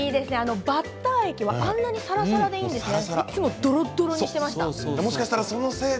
バッター液はあんなにさらさらでいいんですね。